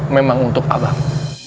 memang untuk abang